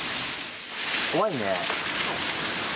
怖いね。